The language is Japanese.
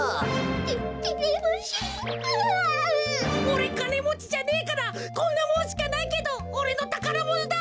おれかねもちじゃねえからこんなもんしかないけどおれのたからものだ！